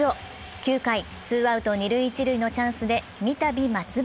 ９回、ツーアウト二塁・一塁のチャンスで三度、松原。